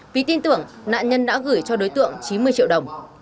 vì tin tưởng nạn nhân đã gửi cho đối tượng chín mươi triệu đồng